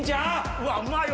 うわうまいわ！